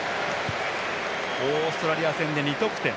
オーストラリア戦で２得点。